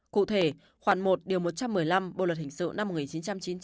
cụ thể khoản một điều một trăm một mươi năm bộ luật hình sự năm một nghìn chín trăm chín mươi chín